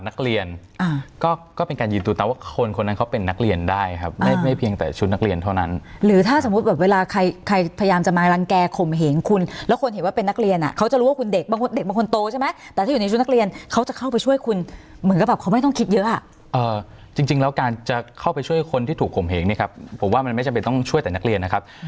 นักเรียนก็เป็นการยืนตูตะว่าคนคนนั้นเขาเป็นนักเรียนได้ครับไม่เพียงแต่ชุดนักเรียนเท่านั้นหรือถ้าสมมุติเวลาใครพยายามจะมารังแก่ข่มเหงคุณแล้วคุณเห็นว่าเป็นนักเรียนเขาจะรู้ว่าคุณเด็กบางคนโตใช่ไหมแต่ถ้าอยู่ในชุดนักเรียนเขาจะเข้าไปช่วยคุณเหมือนกับเขาไม่ต้องคิดเยอะจริงแล้วการจะเข้าไปช่วย